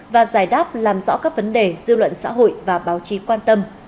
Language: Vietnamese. và giải đáp làm rõ các vấn đề dư luận xã hội và báo chí quan tâm